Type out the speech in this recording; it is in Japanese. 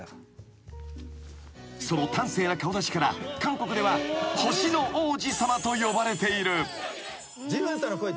［その端正な顔立ちから韓国では星の王子様と呼ばれている］